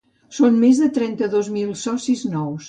Són més de trenta-dos mil socis nous.